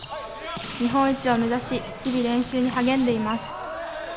日本一を目指し日々、練習に励んでいます。